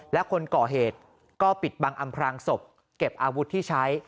และคนก่อเหตุก็ปิดบังอำพรางศพเก็บอาวุธที่ใช้